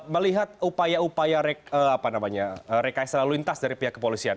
melihat upaya upaya rekayasa lalu lintas dari pihak kepolisian